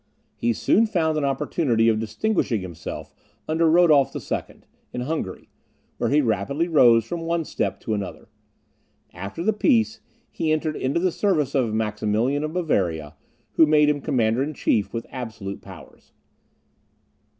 He soon found an opportunity of distinguishing himself under Rodolph II. in Hungary, where he rapidly rose from one step to another. After the peace, he entered into the service of Maximilian of Bavaria, who made him commander in chief with absolute powers.